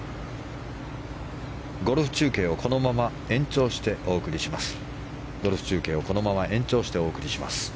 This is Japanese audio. ゴルフ中継をこのまま延長してお送りします。